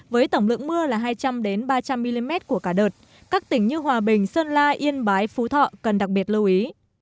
với tổng lượng mưa là hai trăm linh ba trăm linh mm của cả đợt các tỉnh như hòa bình sơn la yên bái phú thọ cần đặc biệt lưu ý